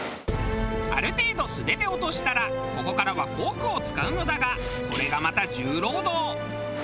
ある程度素手で落としたらここからはフォークを使うのだがこれがまた重労働。